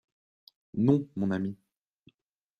«Non, mon ami.